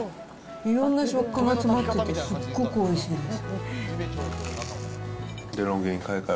いろんな食感が詰まってて、すっごくおいしいです。